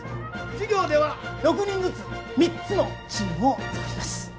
授業では６人ずつ３つのチームを作ります。